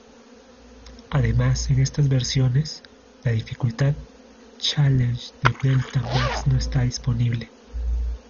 Además en estas versiones, la dificultad Challenge de Delta Max no está disponible.